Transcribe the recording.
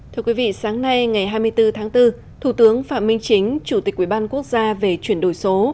thưa quý vị sáng nay ngày hai mươi bốn tháng bốn thủ tướng phạm minh chính chủ tịch quỹ ban quốc gia về chuyển đổi số